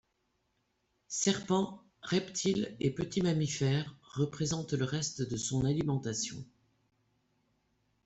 Serpents, reptiles et petits mammifères représentent le reste de son alimentation.